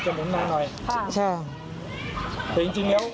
แต่ว่าอันดาอาจจะหมุนหนังหน่อย